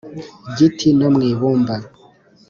Giti no mu ibumba